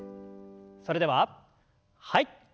それでははい。